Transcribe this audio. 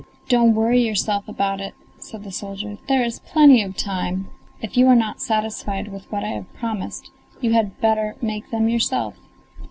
"Don't worry yourself about it," said the soldier, "there is plenty of time! If you are not satisfied with what I have promised you had better make them yourself."